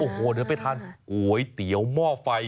โอ้โหเดี๋ยวไปทานก๋วยเตี๋ยวหม้อไฟ